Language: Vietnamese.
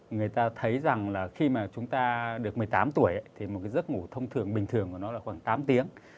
người ta thấy rằng là khi mà chúng ta được một mươi tám tuổi thì một cái giấc ngủ thông thường bình thường của nó là khoảng tám tiếng